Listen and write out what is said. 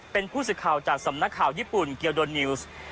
เป็นผู้สื่อข่าวจากสำนักข่าวญี่ปุ่นเกียวโดนิวส์